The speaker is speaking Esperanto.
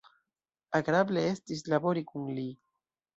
Agrable estis labori kun li.